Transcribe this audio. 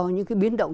những cái biến động